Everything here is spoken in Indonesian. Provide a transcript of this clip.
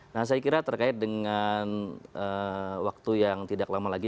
nah saya kira terkait dengan waktu yang tidak lama lagi